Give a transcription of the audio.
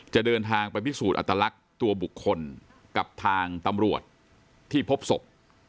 เดินทางไปพิสูจน์อัตลักษณ์ตัวบุคคลกับทางตำรวจที่พบศพ